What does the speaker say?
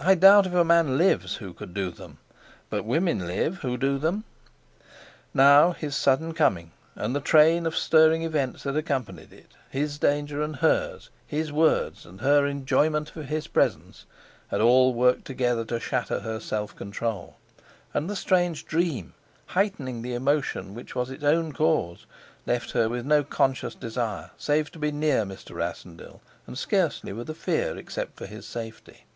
I doubt if a man lives who could do them; but women live who do them. Now his sudden coming, and the train of stirring events that accompanied it, his danger and hers, his words and her enjoyment of his presence, had all worked together to shatter her self control; and the strange dream, heightening the emotion which was its own cause, left her with no conscious desire save to be near Mr. Rassendyll, and scarcely with a fear except for his safety.